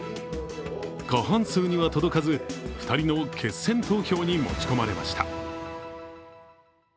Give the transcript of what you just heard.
過半数には届かず、２人の決選投票に持ち込まれました。